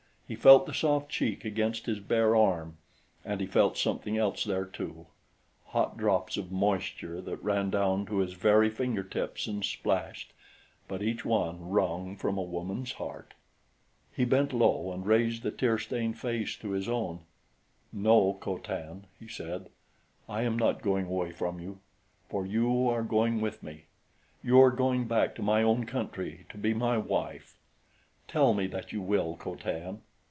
He felt the soft cheek against his bare arm; and he felt something else there too hot drops of moisture that ran down to his very finger tips and splashed, but each one wrung from a woman's heart. He bent low and raised the tear stained face to his own. "No, Co Tan," he said, "I am not going away from you for you are going with me. You are going back to my own country to be my wife. Tell me that you will, Co Tan."